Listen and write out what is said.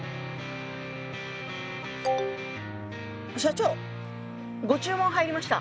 社長ご注文入りました。